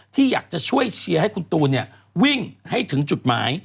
ที่อยากจะช่วยเชียร์ให้คุณตูนวิ่งให้ถึงจุดหมาย